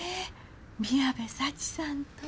宮部佐知さんと。